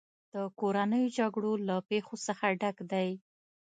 د کورنیو جګړو له پېښو څخه ډک دی.